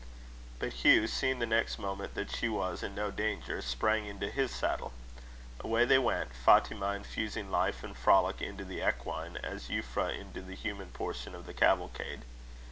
But Hugh, seeing the next moment that she was in no danger, sprang into his saddle. Away they went, Fatima infusing life and frolic into the equine as Euphra into the human portion of the cavalcade.